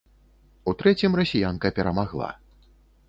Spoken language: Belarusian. У трэцім расіянка перамагла.